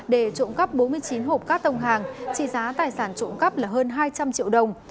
để trộn cắp bốn mươi chín hộp cắt tông hàng trị giá tài sản trộn cắp là hơn hai trăm linh triệu đồng